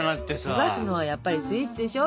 焦がすのはやっぱりスイーツでしょ。